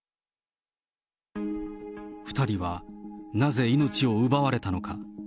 ２人はなぜ、命を奪われたのか。